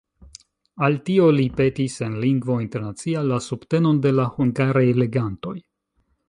Al tio li petis en Lingvo Internacia la subtenon de la hungaraj legantoj.